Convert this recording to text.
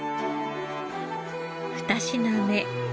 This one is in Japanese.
２品目。